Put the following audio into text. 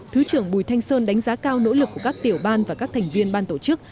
thứ trưởng bùi thanh sơn đánh giá cao nỗ lực của các tiểu ban và các thành viên ban tổ chức